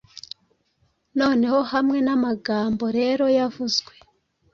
noneho hamwe namagambo rero yavuzwe